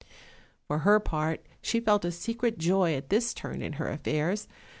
For her part she felt a secret joy at this turn in her affairs.